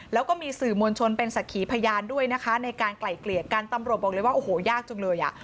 แล้วก็มีสื่อมวลชนเป็นสักขีพยานด้วยนะคะในการไกล่เกลี่ยกันตำรวจบอกเลยว่าโอ้โหยากจังเลยอ่ะ